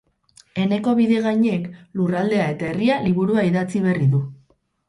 Eneko Bidegainek Lurraldea eta Herria liburua idatzi berri du.